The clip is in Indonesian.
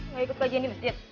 gak ikut pagi yang di masjid